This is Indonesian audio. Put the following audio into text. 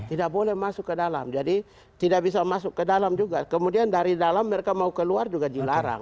tidak boleh masuk ke dalam jadi tidak bisa masuk ke dalam juga kemudian dari dalam mereka mau keluar juga dilarang